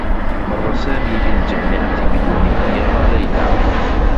مرّ سامي بالجامعة بدون أن يرى ليلى.